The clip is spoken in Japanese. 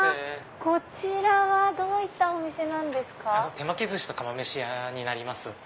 手巻き寿司と釜飯屋になります。